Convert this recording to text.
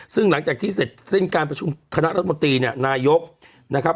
ซึ่งหลังจากที่เสร็จสิ้นการประชุมคณะรัฐมนตรีเนี่ยนายกนะครับ